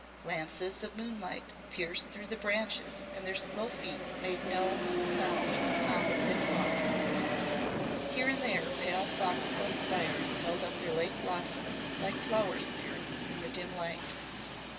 Lances of moonlight pierced through the branches and their slow feet made no sound upon the thick moss. Here and there pale foxglove spires held up their late blossoms like flower spirits in the dim light.